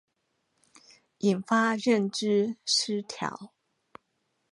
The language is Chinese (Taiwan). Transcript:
引發認知失調